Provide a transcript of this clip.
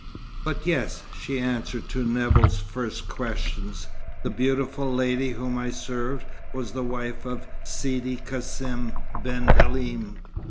"But yes," she answered to Nevill's first questions, "the beautiful lady whom I served was the wife of Sidi Cassim ben Halim.